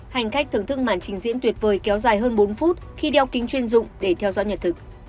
hành khách thưởng thức màn trình diễn tuyệt vời kéo dài hơn bốn phút khi đeo kính chuyên dụng để theo dõi nhật thực